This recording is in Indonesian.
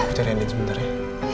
mak aku cari andien sebentar ya